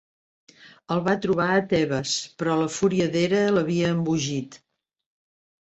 El va trobar a Tebes, però la fúria d'Hera l'havia embogit.